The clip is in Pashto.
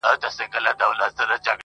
ځيني يې هنر بولي ډېر لوړ-